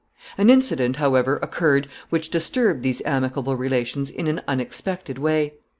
An incident, however, occurred, which disturbed these amicable relations in an unexpected way.